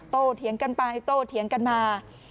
เถียงกันไปโตเถียงกันมา